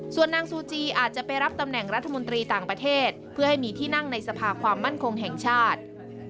ส่วนนางซูจีอาจจะไปรับตำแหน่งรัฐมนตรีต่างประเทศเพื่อให้มีที่นั่งในสภาความมั่นคงแห่งชาติ